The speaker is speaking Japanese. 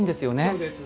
そうです。